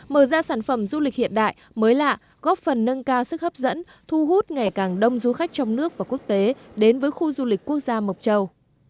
mở ra sản phẩm du lịch hiện đại mới lạ góp phần nâng cao sức hấp dẫn thu hút ngày càng đông du khách trong nước và quốc tế đến với khu du lịch quốc gia mộc châu